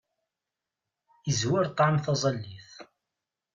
Izwar ṭṭɛam taẓallit.